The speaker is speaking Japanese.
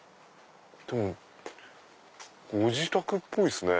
でもご自宅っぽいですね。